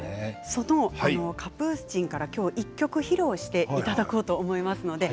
そのカプースチンから１曲披露していただこうと思います。